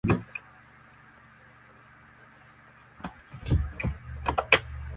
Tawimto mkubwa katika beseni yake ni Ruaha Mkuu.